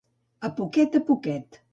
A poquet a poquet.